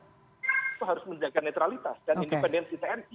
itu harus menjaga netralitas dan independensi tni